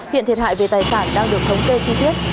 hiện thiệt hại về tài sản đang được thống kê chi tiết